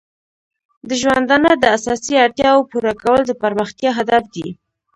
د ژوندانه د اساسي اړتیاو پوره کول د پرمختیا هدف دی.